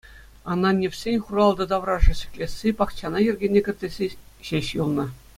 Ананьевсен хуралтӑ таврашӗ ҫӗклесси, пахчана йӗркене кӗртесси ҫеҫ юлнӑ.